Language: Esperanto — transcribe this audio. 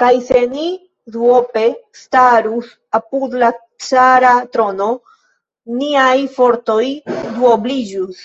Kaj se ni duope starus apud la cara trono, niaj fortoj duobliĝus!